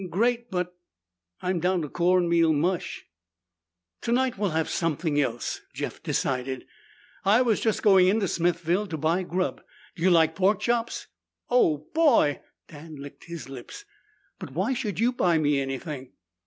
"Great but I'm down to corn meal mush." "Tonight we'll have something else," Jeff decided. "I was just going in to Smithville to buy grub. Do you like pork chops?" "Oh, boy!" Dan licked his lips. "But why should you buy me anything?"